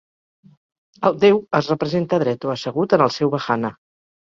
El déu es representa dret o assegut en el seu vahana.